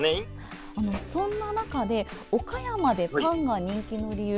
そんな中で岡山でパンが人気の理由。